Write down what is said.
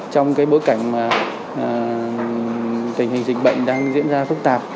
trong cái bối cảnh mà tình hình dịch bệnh đang diễn ra phức tạp